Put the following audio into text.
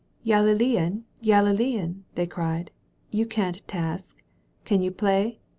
"Yalilean! Yalilean!" they cried. "You can't talk. Can you play?